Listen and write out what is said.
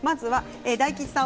大吉さん